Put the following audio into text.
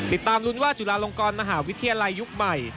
ติดตามลุ้นว่าจุฬาลงกรมหาวิทยาลัยยุคใหม่